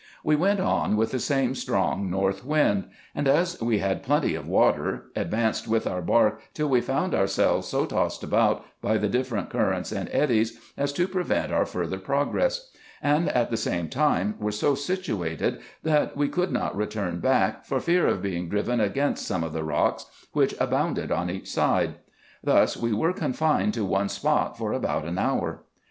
We went on with the same strong north wind; and as we had plenty of water, advanced with our bark till we found ourselves so tossed about by the different currents and eddies, as to prevent our farther progress ; and at the same time were so situated, that we could not return back, for fear of being driven against some of the rocks, which abounded on each side. Thus we were confined to one spot for about an hour.